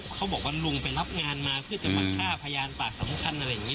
เขาบอกว่าลุงไปรับงานมาเพื่อจะมาฆ่าพยานปากสำคัญอะไรอย่างนี้